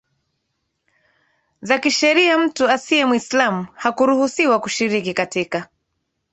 za kisheria mtu asiye Mwislamu hakuruhusiwa kushiriki katika